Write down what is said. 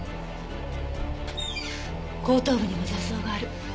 後頭部にも挫創がある。